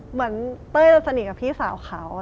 เหมือนเต้ยจะสนิกกับพี่สาวเขา